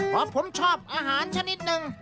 เพราะผมชอบอาหารชนิดหนึ่ง